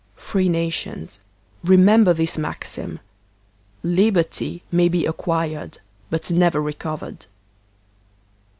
Free nations, remember this maxim: •Liberty may be ac quired but never recovered.